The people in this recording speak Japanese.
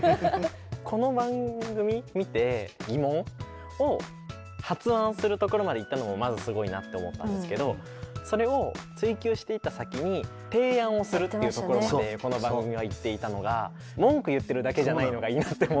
この番組見て疑問を発案するところまでいったのもまずすごいなって思ったんですけどそれを追究していった先に提案をするっていうところまでこの番組はいっていたのがほんとですよね。